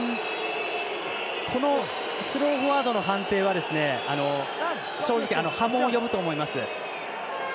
このスローフォワードの判定は正直、波紋を呼ぶと思います。